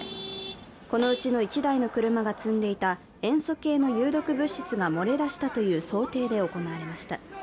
このうちの１台の車が積んでいた塩素系の有毒物質が漏れ出したという想定で行われました。